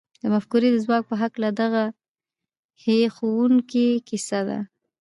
د مفکورې د ځواک په هکله دغه هیښوونکې کیسه ده